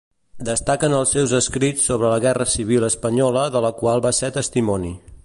Destaquen els seus escrits sobre la Guerra Civil espanyola, de la qual va ser testimoni.